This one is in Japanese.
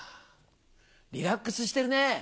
リラックスしてるねぇ。